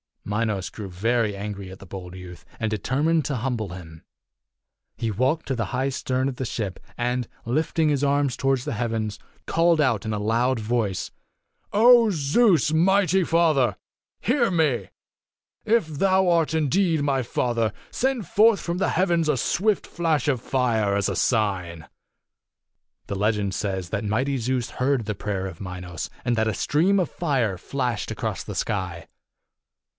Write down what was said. Minos grew very angry at the bold youth, and determined to humble him. He walked to the high stern of the ship, and, lifting up his arms toward the heavens, called out in a loud voice, "O Zeus, mighty father ! Hear me! If thou art indeed my father, send forth from the heavens a swift flash of fire as a sign." The legend says that mighty Zeus heard the prayer of Minos, and that a stream of fire flashed across the sky.